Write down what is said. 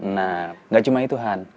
nah gak cuma itu han